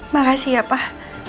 makasih ya pak